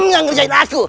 yang ngerjain aku